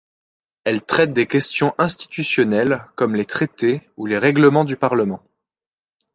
Elle traite des questions institutionnelles, comme les traités, ou les règlements du Parlement.